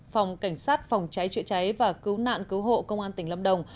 phòng cảnh sát phòng cháy chữa cháy và cứu nạn cứu hộ công an tỉnh lâm đồng